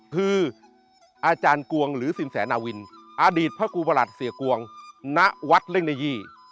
คืออาจารย์กวงหรือสินแสนาวินอดีตพระครูประหลัดเสียกวงณวัดเร่งนายี่